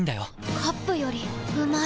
カップよりうまい